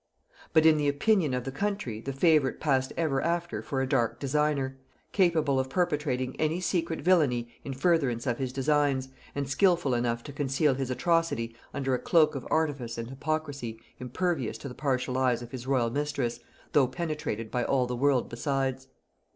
But in the opinion of the country the favorite passed ever after for a dark designer, capable of perpetrating any secret villainy in furtherance of his designs, and skilful enough to conceal his atrocity under a cloak of artifice and hypocrisy impervious to the partial eyes of his royal mistress, though penetrated by all the world besides.